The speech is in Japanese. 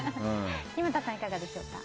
木全さん、いかがでしょうか？